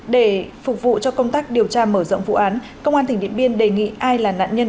để phục vụ cho công tác điều tra mở rộng vụ án công an tỉnh điện biên đề nghị ai là nạn nhân